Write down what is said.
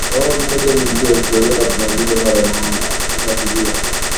Sababu moja ni mzigo wa historia tunaoubeba mara nyingi bila kujua